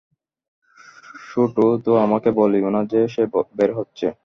শুটু তো আমাকে বলেওনি যে সে বের হচ্ছে।